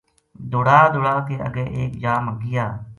دوڑا دوڑا کے اگے ایک جا ما گیا